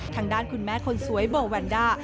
ทางด้านคุณแม่คนสวยโบแวนด้า